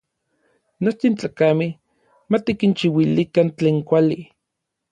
Nochtin tlakamej ma tikinchiuilikan tlen kuali.